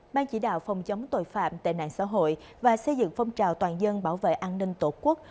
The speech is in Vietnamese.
ban chỉ đạo phòng chống tội phạm tệ nạn xã hội và xây dựng phong trào toàn dân bảo vệ an ninh tổ quốc